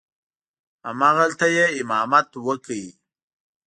همغلته یې امامت وکړ.